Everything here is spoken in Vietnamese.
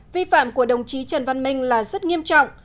vi phạm của đồng chí trần văn minh là rất nghiêm trọng